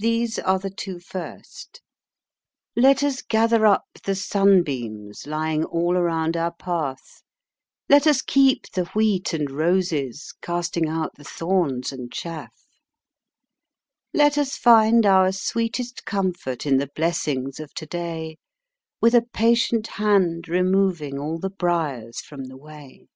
These are the two first: Let us gather up the sunbeams Lying all around our path; Let us keep the wheat and roses, Casting out the thorns and chaff; Let us find our sweetest comfort In the blessings of to day With a patient hand removing All the briars from the way.